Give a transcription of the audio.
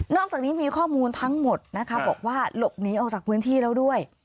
จากนี้มีข้อมูลทั้งหมดนะคะบอกว่าหลบหนีออกจากพื้นที่แล้วด้วย